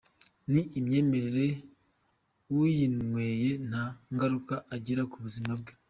Ni imyimerere uyinweye nta ngaruka igira ku buzima bwe.